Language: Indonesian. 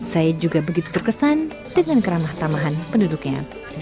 saya juga begitu terkesan dengan keramah tamahan penduduknya